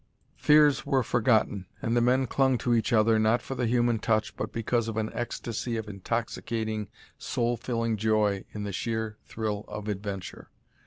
Fears were forgotten, and the men clung to each other not for the human touch but because of an ecstasy of intoxicating, soul filling joy in the sheer thrill of adventure.